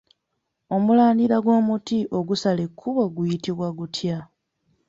Omulandira gw’omuti ogusala ekkubo guyitibwa gutya?